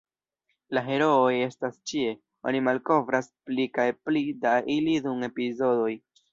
La herooj estas ĉie, oni malkovras pli kaj pli da ili dum epizodoj.